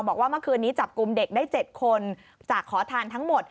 บอกว่าเมื่อคืนนี้จับกลุ่มเด็กได้๗คนจากขอทานทั้งหมด